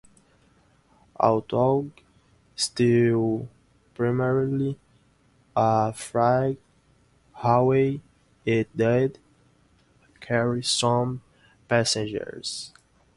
Although still primarily a freight railway, it did carry some passengers.